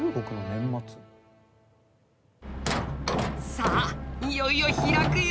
さあいよいよ開くよ。